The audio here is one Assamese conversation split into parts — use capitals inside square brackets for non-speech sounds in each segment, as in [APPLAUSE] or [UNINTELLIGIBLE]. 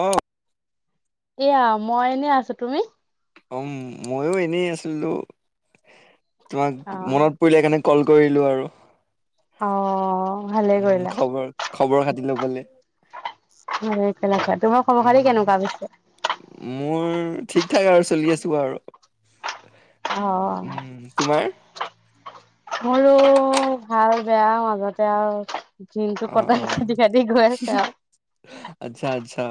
অ। এয়া মই এনে আছো তুমি উম মইো এনেই আছিলো তোমাক অ মনত পৰিলেকাৰণে কল কৰিলোঁ আৰু অ ভালে উম কৰিলা। খবৰ খবৰ খাতি লবলে সফেলোৱা তোমাৰ খয় উম খালী কেনেকুৱা পছে মোৰ ঠিক ঠাক আৰু চলি আছো ত আৰু অ উম তোমাৰ মোলো ভাল বেয়া মাজতে আৰু দিনটো আহ কটাই অ খেদি খাদি গৈ আছে আৰু। আচ্ছা আচ্ছা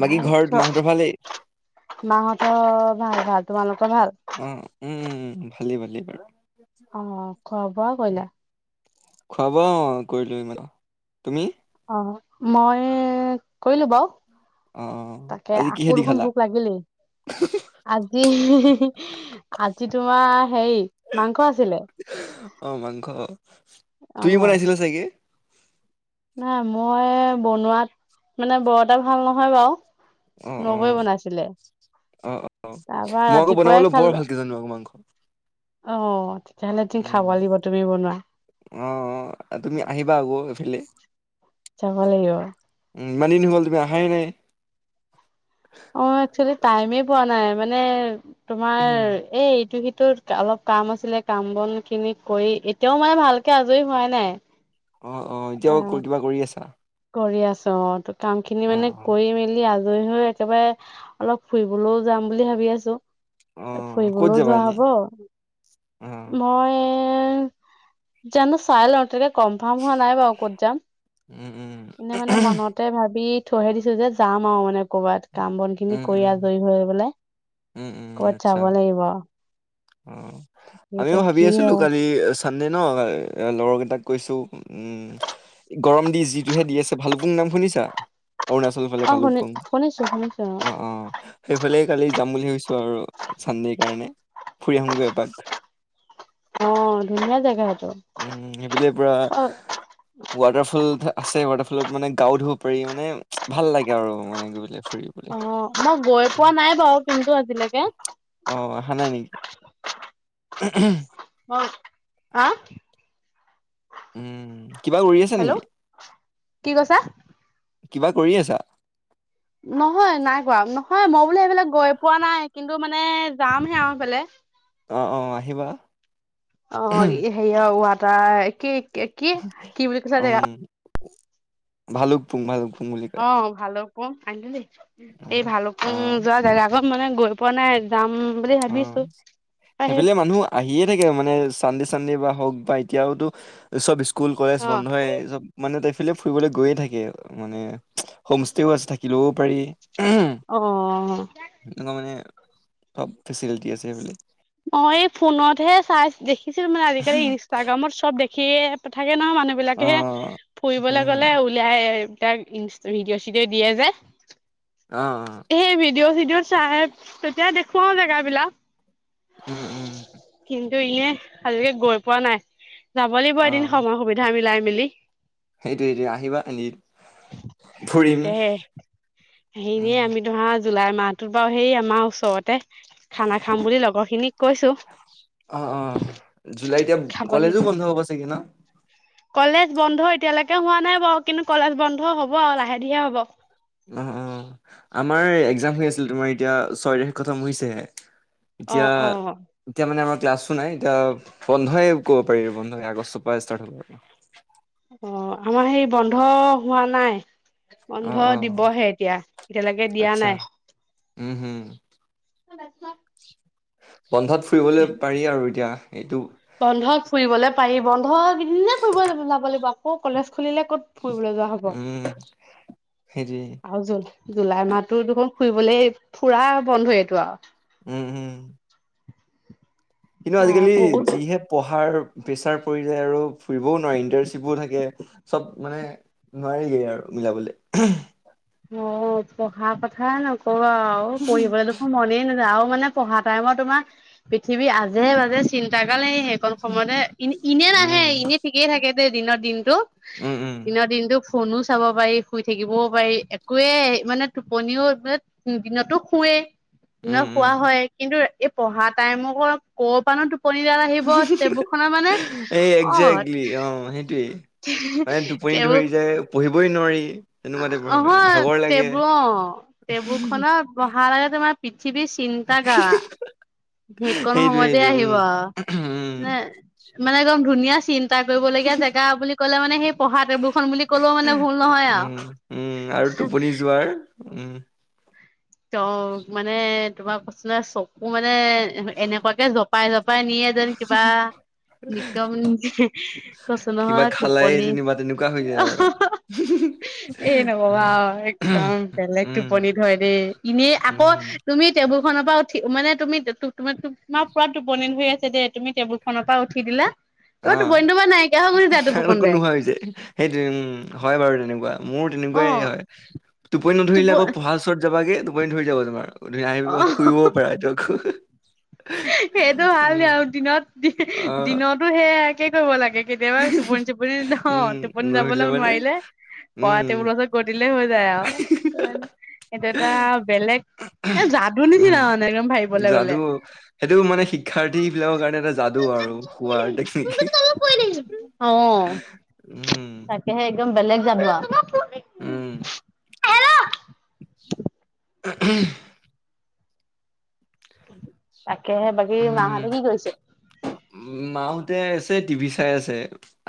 বাকী ঘৰত মাহঁতৰ ভালেই মাহঁতৰ ভাল-ভাল তোমালোক অ, উম, ভালি-ভালি বাৰু। অ খোৱাব আৰু কিলা খুৱাব অ কৰিলো ই তুমি অ মই কৰিলো বাৰু। অ অ তাকে আজি আকৌ কিহেদি দেখোন খালা ভোক লাগিলেই, আজি আজি তোমাৰ হেই মাংস আছিলে অ মাংস তুমি আহ বনাইছিলা চাগে নাই মই বনোৱাত মানে বৰ এটা ভাল নহয় বাৰু। অ নগৈ বনাইছিলে অ অ অ তাৰ পৰা মই আকৌ ৰাতিপুৱাই বনাবলৈ খালো বৰ ভালকে জানো আকৌ মাংস অ তেতিয়াহ'লেদম খাব লাগিব তুমি বনোৱা আহ, তুমি আহিবা আকৌ এইফালে। যাব লাগিব ইমান দিন গ'ল তুমি আহাই নাই। অ একচুৱালী টাইমে পোৱা নাই মানে উম, তোমাৰ এই এইটো অলপ কাম আছিলে কাম বন খিনি কৰি এতিয়াও মানে ভালকে আজৰি হোৱাই নাই। অ, অ, এতিয়াও কিবা কৰি আছা? কৰি আছো অ ত কাম খিনি অ', মানে অ', কৰি মেলি আ লৈ হৈ একেবাৰে অলপ ফুৰিবলৈও যাম বুলি ভাবি আছো অ', ক'ত ফুৰিবলৈও যাবা যোৱা এনে? হব অ', মই এ, জানো চাই লওঁ তেনেকে কনফাৰ্ম হোৱা নাই বাৰু ক'ত যাম। উম, উম, এনে মানে মনতে ভাবি থৈহে দিছো যে যাম আৰু মানে কৰ'বাত কাম বন খিনি উম, কৰি উম, আজৰি হৈ পেলাই উম, উম, ক'বাত আচ্ছা যাব লাগিব আৰু। অ আমিও ভাবি আছিলো হয় কালি চানডে ন লগৰকেইটাক কৈছো উম গৰম দি যিটোহে দি আছে ভাল প শুনিছা? অৰুণাচল ফালে অ শুনি ভালুকপুং, শুনিছো শুনিছো অহ, অহ। সেইফালেই কালি ছো আৰু চান্দে কাৰণে, ফুৰি আহোগৈ এপাক। অ ধুনীয়া জেগা হ উম সেইবিলে পৰা ৱাটাৰফল আছে ৱাটাৰফলত মানে গাও ধুব পাৰি, মানে ভাল লাগে আৰু মানে গৈ পেলে অ মই গৈ পোৱা নাই বাৰু কিন্তু আজিলৈকে অহ, আহা নাই নেকি? উম আ উম। কিবা কৰি আছে হেল্ল' নেকি? কি কৈছা? কিবা কৰি আছা নহয় নাই কোৱা নহয় মই বোলো এইবিলাক গৈ পোৱা নাই কিন্তু মানে যামহে আৰু সফালে অহ, অহ, আহিবা। অ হেৰিয়া ৱাটাৰ কি কি কি বুলি কৈছো জেগা ভালুক পুং ভালুক অহ, ভালুকপুং, আনিলো দেই, উম এই অ ভালুকপুং যোৱা জাগা অলপ মানে গৈ পোৱা নাই, যাম। বুলি অহ, ভাবিছো সেই সেইফালে মানুহ আহিয়ে থাকে মানে চাণ্ডি চাণ্ডি বা হওক বা এতিয়াওতো সব স্কুল কলেজ অ বন্ধয়ে সব মানে তাই ফালে ফুৰিবলৈ গৈয়ে থাকে মানে হোমষ্টেও আছে থাকিলেও পাৰি অ সব ফেচিলিটি আছে সেইফালে। মই এই ফোনতহে চাই দেখিছিল মানে আজিকালি ইনষ্টাগ্ৰামত চব দেখিয়ে পঠাই সে নহয়, মানুহ অ বিলাকেহে হম ফুৰিবলৈ হম গ'লে উওলাই। তাক ইঞ্চ ভিডিঅ'-চিডিঅ' দিয়ে যে। অ অ এই ভিডিঅ' চিডিঅ' চাই তেতিয়া দেখুৱাও জেগাবলাক উম, উম। কিন্তু ইয়ে আজিকে গৈ পোৱা নাই। যাব লাগিব এদিন সময় সুবিধা মিলাই মেলি। সেইটো সেইটো, আহিবা এনি ফুৰিম। এনে উম আমি ধৰা জুলাই মাহটোত বাৰু সেই আমাৰ ওচৰতে খানা খাম বুলি লগৰ খিনিক কৈছো অহ, অহ। জুলাই এতিয়া খাব লাগিব কলেজো বন্ধ হ'ব চাগে ন? কলেজ বন্ধ এতিয়ালৈকে হোৱা নাই বাৰু কিন্তু কলেজ বন্ধ হ'ব আৰু, লাহে ধিহে হ'ব। অহ, অহ। আমাৰ এতিয়া এক্জাম হৈ আছিলে, তোমাৰ এতিয়া ছয় তাৰিখে থতম হৈছেহে। অ অ এতিয়া-এতিয়া মানে আমাৰ ক্লাছো নাই এতিয়া বন্ধইে কব পাৰি বন্ধই আগষ্টৰ পৰা ষ্টাৰ্ট হব অহ, আমাৰ সেই বন্ধ হোৱা নাই। অ বন্ধ অ দিবহে এতিয়া এতিয়ালৈকে দিয়া আচ্ছা নাই হম উম ক'ত আছা? বন্ধত ফুৰিবলৈ পাৰি আৰু এতিয়া এইটো বন্ধত ফুৰিবলে পাৰি বন্ধ এদনে ফুৰিব যাব লাগিব আকৌ কলেজ খুলিলে ক'ত ফুৰিবলৈ যোৱা হ'ব উম সেইটোৱে আৰু জোন জুলাই মাহতো দেখোন ফুৰিবলৈ ফুৰা বন্ধ এইটো আৰু। উম - উম। কিন্তু আহ আজিকালি বহুত যিহে পঢ়াৰ। প্ৰেচাৰ পৰি যায় আৰু ফুৰিবও নোৱি ইণ্টাৰশ্বিপো থাকে চব মানে নোৱাৰিয়েই আৰু। মিলাবলৈ অ পঢ়া কথা নকবা আৰু পঢ়িবলে দেখো মনেই নাযাওঁ মানে পঢ়া টাইমত তোমাৰ পৃথিৱী আজোজে চিন্তা কাৰালে স সেইকণ সময় ইনে ইনে উম, নাহে এনে ঠিকেই থাকে দে দিনৰ দিনতটো। উম, উম, দিনৰ - দিনটো ফোনো চাব পাৰি শুই থাকিবও পাৰি। কৱে মানে টোপনিওে দিনতো শুৱে উম, দিনত উম। শোৱা হয় কিন্তু। এই পঢ়া টাইমক অলপ ক পৰা ন তোক। কনডাল আহিব টেবুল খনৰ মানে এই অ একজেক্টলি অ, সেইটোৱেই। মানে টোপনি তেও ধৰি যায় পঢ়িবই নোৱাৰি তেনেকুৱা ভাগৰ লাগে। টেবু অ পথিবি চিন্ন্তা গা সেইকন সেইটোৱে সময়তে সেইটোৱে আহিব উম, উম, নে মানে একদম ধুনীয়া চিন্তা কৰিবলগীয়া জেগা বুলি ক'লে মানে সেই। পঢ়াতেবুলখন বুলি কলেও মানে ভুল নহয় আৰু উম, উম, আৰু টোপনি যোৱাৰ উম, ত মানে তোমাৰ কছ ন চকু মানে মে এনেকুৱাকে জপাই - জপাই নিয়ে এ যেন কিবা নিকম কচ কিবা নহয় খালাই টোপনি যেনিবা হৈ যায় আৰু। এ নকবা উম, একদম বেলেগ উম, টোপনি ধৰে দেই। নে আকৌ উম, তুমি টেবুলনৰ পৰা উঠ মানে তুমি তম তোমাৰ পুৰা টোপনি ধৰি আছে দ দে তুমি টেবুল খনৰ পৰা উঠি দিলা তোমাৰ টোপনিটো বা নাইকিয়া হৈ গুচি যায় আহো টোপুকনতে নোহোৱা হৈছে সেইটো উম হয় বাৰু তেনেকুৱা? মোৰ অ তেনেকুৱাই হয় টোপনি টোপ নধৰিলে আকৌ অ পঢ়াৰ ওচৰত যাবাগে টোপনি ধৰি যাব তোমাৰ ধুনীয়া আহিব শুইবও পাৰে ত সেইটো ভাল আৰু দিনত অ', দিনতো সেয় একে কৰিব লাগে কেতিয়াবা টোপনি টোপনি ন উম, টোপনি নধৰিলে যাবলৈ মানে নোৱাৰিলে পঢ়া উম, টেবুলৰ গৈ হৈ যায়। [UNINTELLIGIBLE] এইটো এটা বেলেগ এ যাদু উম, নিচিনা মানে একদম ভাবিবলৈ যাদু গলে সেইটো মানে শিক্ষাৰ্থী বিলাকৰ কাৰণে এটা যাদু আৰু হোৱাৰ টেকনিক অ, উম, তাকেহে একদম বেলেগ জাদু উম, আহ তাকেহে বাকী মাহতে কি কৰিছে। মাহতে আছে টিভি চাই আছে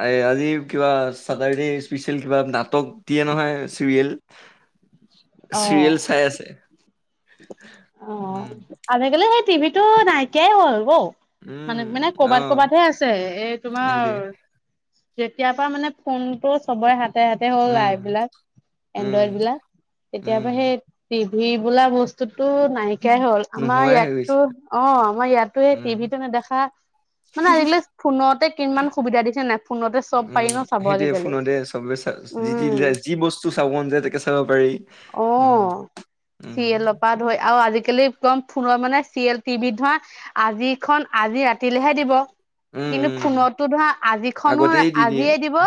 এ আজি কিবা চাটাৰডে স্পেচিয়েল কিবা নাট নাটক দিয়ে নহয় চিৰিয়েল অ', চিৰিয়েল চাই আছে। অ, উম, আজিকালি সেই টিভি টো নাইকিয়াই হল বৌ উম, মানে- মানে কৰবাত অ', কৰবাতহে আছে এই তোমাৰ সেইটোৱে যেতিয়া পৰা মানে ফোনটো চবৰে হাত তে, হতে হ'ল উম, আই বিলাক উম, এনড্ৰইড বিলাক কেতিয়াবা উম, সেই সি বোলা বস্তুত। নাইকিয়াই হ'ল আমাৰ নোহোৱাই হৈ ইয়াতো গৈছে অ, আমাৰ ইয়াতো এই উম। টিভিটো নেদেখা। মানে আজিকালি ফোনতে কিমান সুবিধা দিছে নাই ফোনতে চব উম, পাৰি ন চাব সেইটোৱয়ে আজিকালি। ফোনতে চবে যি য উম যি বস্তু চাব মন যায় তাকে চাব পাৰি। অ, উম, চি উম, এলপ। প ধয় আৰু আজিকালি কম ফোনৰ মানে চিৰিয়েল টিভিত ধৰা আজি খন আজি ৰাতিলেহে দিব। উম, কিন্তু উম, ফোনতো ধৰা আজি খন আগতেই দি দিয়ে আজিয়ে দিব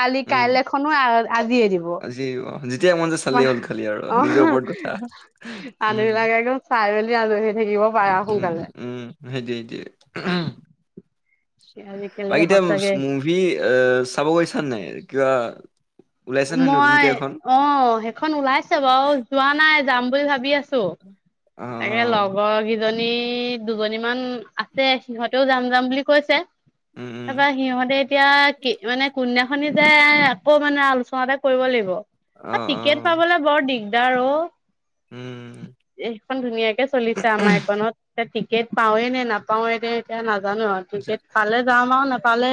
কালি উম। কাইলে খন আজিয়ে দিব আজি অ', যেতিয়া মন যায় ম চালেই হ'ল খালি আৰু অ নিজৰ ওপৰত কথা মানুহ বিলাক উম। একদম চাই মেলি আজহী থাকিব পাৰা উম সোনকালে। উম সেই দ সেইতি আজিকালি বাকী এতিয়া সঁচাকে মুভি এ চাব গৈছা নাই কিবা ওলাইছে নহয় নতুনকে মই এখন? অ সেইখন ওলাইছে বাৰু যোৱা নাই যাম বুলি ভাবি আছো অ', তাকে অ', লগৰ গি এজনী দুজনী মমান আছে সিহঁতেও যাম যাম বুলি কৈছে উম, উম, তাৰপৰা সিহঁতে এতিয়া মানে কোন দিনা খনি যায় যে আকৌ মানে আলোচনাতে কৰিব লাগিব অ', টিকেট অ'। পাবলে বৰ দিগদাৰ অ উম এইখন ধুনীয়াকে চলিছে আমাৰ এইকণত তাটি গেট পাওঁনে নে নাপাওৱে ন এতিয়া নাজানো আৰু যা- গেট পালে যাাম আৰু ন আৰু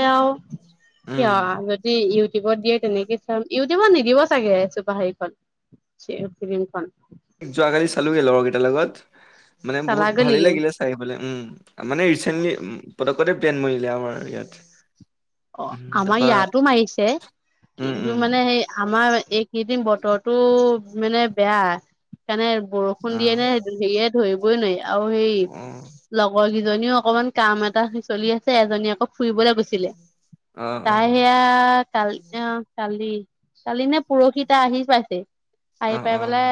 কি উম যদি ইউটিউবত দিয়ে তেনেকে ইউটিউবত নিদিব চাগে ছোপা হেৰিখন ফিল্ম খন যোৱাকালি চালো গ আৰু কেইটাৰ লগত মানে বহুত চালাগৈ ভালে নেকি? লাগিলে চাইলে উ মানে ৰিচেন্টলি। তে প্লেন মৰিলে আমাৰ ইয়াত অ' উম আমাৰ তাৰপা ইয়াতো মাৰিছে উম উম কিন্তু মানে সেই আমাৰ এইকেইদিন বতৰটো মানে বেয়া কাৰণে বৰষুণ অ দিয়ে নে হেৰিয়ে ধৰিবই নোৱাৰি আৰু সেই অ লগৰ কি। ইজনীও অকমান কাম এটা চলি আছে এজনী আকৌ ফুৰিবলৈ গৈছিলে অ অ তাই সেয়া কালি অ কালি কালি নে পুৰহি তাই আহি পাইছে আহি অ পাই অ পেলাই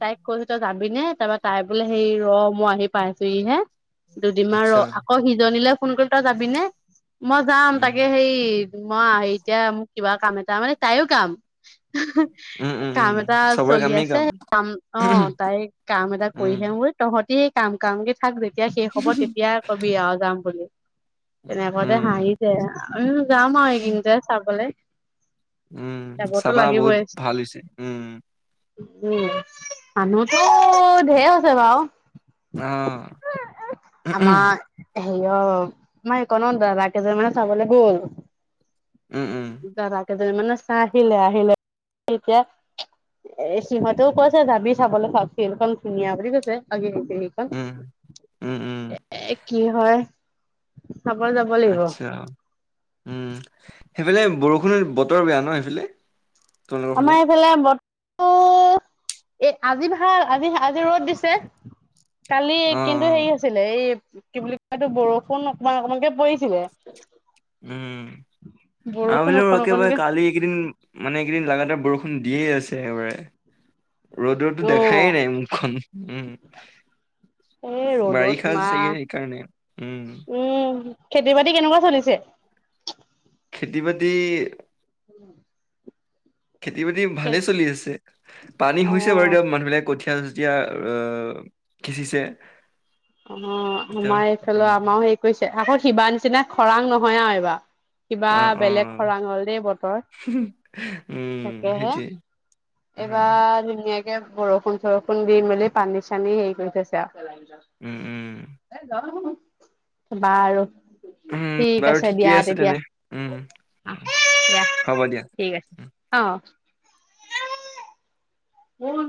তাইক কৈছো তই যাবিনে তাপা তাই বোলে সেই ৰ মই আহি পাইছো হি হে দুদিনমান ৰ আচ্ছা আকৌ সিজনীলৈ ফোন কৰিল তই যাবি নে মই যাম। উম তাকে হেই মই এতিয়া মোক কিবা কাম এটা মানে তাইও কাম উম উম কাম উম এটা চবৰে চলি কামেই আছে কাম অ তাই কাম এটা উম কৰিহে মোৰ তহঁতি কাম কাম কে থাক যেতিয়া শেষ হ'ব তেতিয়া কবি আও যাম বুলি তেনে কওতে উম হাঁহি আমি যাম আৰু এইকিন চাবলৈ উম চাবা বহুত ভাল হৈছে উম উ মানুহটো ঢেৰ হৈছে বাৰও অহ হে অ আমাৰ এই কণত দাদা কেইজন মানে চাবলে গ'ল উম উম দাদা মানে চাই আহিলে আহিলে এতিয়া এ সিহঁতেও কৈছে যাবি চাবলৈ চাওক চ ধুনীয়া বুলি কৈছে। ক উম উম উম এ কি হয় চাবলে যাব লাগিব আচ্ছা উম সেইফালে বৰষুণত বতৰ বেয়া ন সেইফালে তোমালোকৰ ফালে আমাৰ এইফালে বত অ এ আজি ভাল আজি আজি ৰ'দ দিছে কালি অ', কিন্তু অ', হেৰি আছিলে এই কি বুলি কয় তটো বৰষুণ অকমান অকমানকে পৰিছিলে উম আও বৰষুণ বেলি অকণ অকণকে কালি এইেইদিন মানে এইকেইদিন লাগাতাৰ বৰষুণ দিয়েই আছে একবাৰে ৰ'দ ৰ'দটো অ দেখাই নাই মুখখন উম এই ৰ'দত বাৰিষা চে তোমাৰ সেইকাৰণে উম উম খেতি বাতি কেনেকুৱা চলিছে খেতি বাতি উম খেতি বাতি ভালে চলি আছে পানী অ হৈছে বাৰু এতি অ মানুহ বিলাক কঠ যেতিয়া আহ খিঁচিছে অ', আমাৰ এইফালে আমাৰও হেৰি কৰিছে আকৌ সিবা নিচিনা খৰাং নহয় আৰু এইবাৰ হিবা অ', বেলেগ অ', খৰাং হল দেই বতৰ উম, তাকেহে সেইটোৱে। অ', এইবাৰ ধুনীয়াকে বৰষুণ চৰষুণ দি মেলি পানী চানী হেৰি কৰি থৈছে উম, উম, আৰু য বাৰু উম, ঠিক বাৰু আছে ঠিকেই দিয়া তেতিয়া তেনে উম, অ দিয়া হ'ব দিয়া। ঠিক আছে অ উ